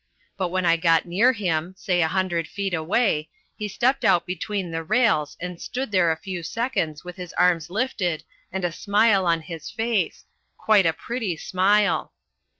But when I got near him, say a hundred feet away, he stepped out between the rails and stood there a few seconds with his arms lifted and a smile on his face quite a pretty smile.